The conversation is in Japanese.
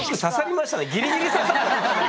ギリギリ刺さった。